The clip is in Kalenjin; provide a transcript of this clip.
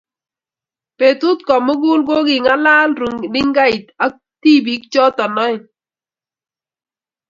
Betu komugul ko kingalal runingait ak tibiik choto oeng.